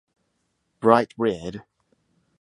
bright red.